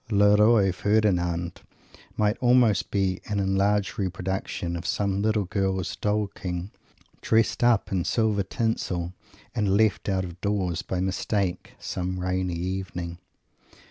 "Le Roi Ferdinand" might almost be an enlarged reproduction of some little girl's Doll King, dressed up in silver tinsel and left out of doors, by mistake, some rainy evening.